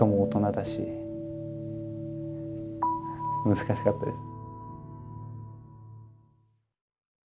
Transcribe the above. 難しかったです。